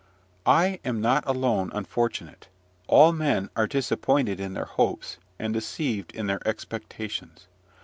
I am not alone unfortunate. All men are disappointed in their hopes, and deceived in their expectations.